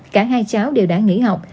cả hai cháu đều đã nghỉ học